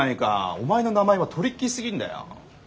お前の名前はトリッキーすぎんだよ。